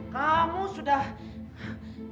kamu sudah berhasut